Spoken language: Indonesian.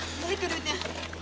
balik dulu duitnya